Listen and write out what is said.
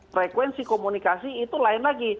frekuensi komunikasi itu lain lagi